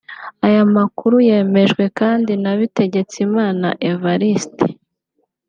Aya makuru yemejwe kandi na Bitegetsimana Evariste